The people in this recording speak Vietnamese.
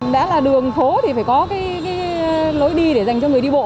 đã là đường phố thì phải có cái lối đi để dành cho người đi bộ